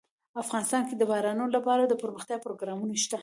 افغانستان کې د بارانونو لپاره دپرمختیا پروګرامونه شته.